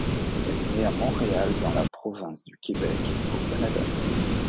Elle est née à Montréal dans la province du Québec, au Canada.